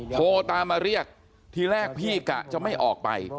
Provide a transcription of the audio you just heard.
โทรตามมาเรียกทีแรกพี่กะจะไม่ออกไป